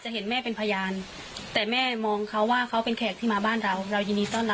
แต่ระยะเวลาล่ะเส้นผมน้องที่ถูกตัดล่ะเสื้อโดนถอดล่ะ